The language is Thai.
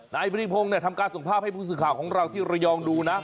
นายบริพงศ์ทำการส่งภาพให้ผู้สื่อข่าวของเราที่ระยองดูนะ